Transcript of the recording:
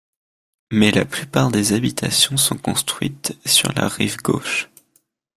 Mais la plupart des habitations sont construites sur la rive gauche.